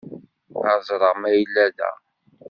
Ad ẓreɣ ma yella da.